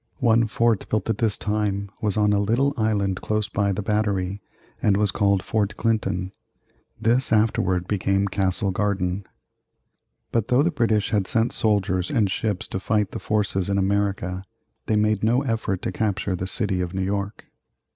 One fort built at this time was on a little island close by the Battery, and was called Fort Clinton. This afterward became Castle Garden. But though the British had sent soldiers and ships to fight the forces in America, they made no effort to capture the city of New York.